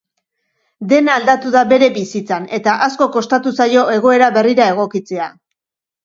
Dena aldatu da bere bizitzan, eta asko kostatu zaio egoera berrira egokitzea.